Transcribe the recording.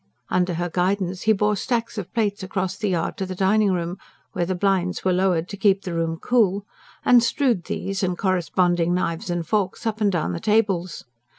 Under her guidance he bore stacks of plates across the yard to the dining room where the blinds were lowered to keep the room cool and strewed these, and corresponding knives and forks, up and down the tables.